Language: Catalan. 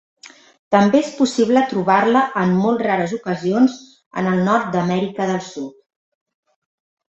També és possible trobar-la en molt rares ocasions en el nord d'Amèrica del Sud.